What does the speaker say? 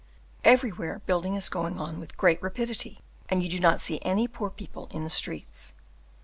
Everywhere building is going on with great rapidity, and you do not see any poor people in the streets.